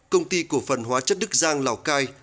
công ty cổ phần hóa chất đức giang lào cai